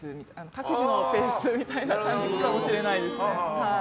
各自のペースみたいな感じかもしれないです。